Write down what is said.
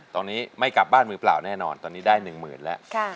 ตอนนี้ไม่กลับบ้านมือเปล่าแน่นอนตอนนี้ได้๑หมื่นแล้ว